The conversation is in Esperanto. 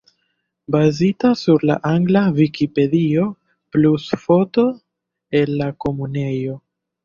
Bazita sur la angla Vikipedio, plus foto el la Komunejo.